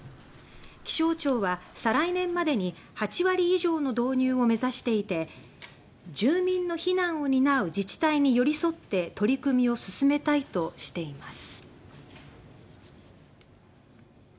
気象庁は再来年までに８割以上の導入を目指していて「住民の避難を担う自治体に寄り添って取り組みを進めたい」としています。